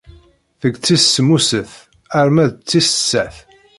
Seg tis semmuset arma d tis sat.